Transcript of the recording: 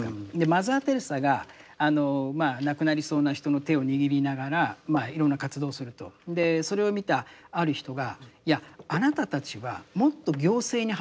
マザー・テレサが亡くなりそうな人の手を握りながらいろんな活動をすると。それを見たある人がいやあなたたちはもっと行政に働きかけるべきだって。